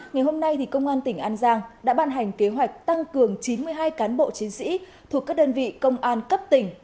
ngày hôm nay công an tỉnh an giang đã ban hành kế hoạch tăng cường chín mươi hai cán bộ chiến sĩ thuộc các đơn vị công an cấp tỉnh